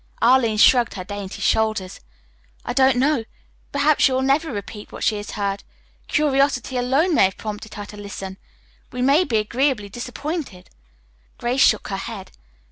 Arline shrugged her dainty shoulders. "I don't know. Perhaps she will never repeat what she has heard. Curiosity alone may have prompted her to listen. We may be agreeably disappointed." Grace shook her head.